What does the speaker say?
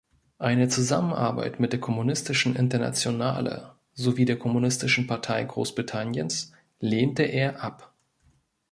Eine Zusammenarbeit mit der Kommunistischen Internationale sowie der Kommunistischen Partei Großbritanniens lehnte er ab.